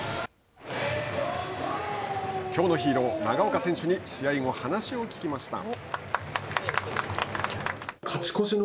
きょうのヒーロー、長岡選手に試合後、話を聞きました。